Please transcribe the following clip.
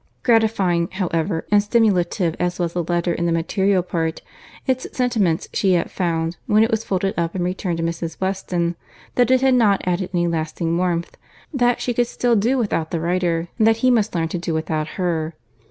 Gratifying, however, and stimulative as was the letter in the material part, its sentiments, she yet found, when it was folded up and returned to Mrs. Weston, that it had not added any lasting warmth, that she could still do without the writer, and that he must learn to do without her.